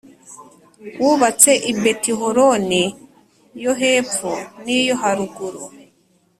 wubatse i Betihoroni yo hepfo n iyo haruguru